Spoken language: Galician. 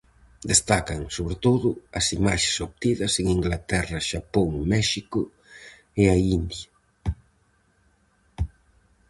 Destacan, sobre todo, as imaxes obtidas en Inglaterra, Xapón, México e a India.